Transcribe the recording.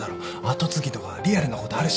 跡継ぎとかリアルなことあるし。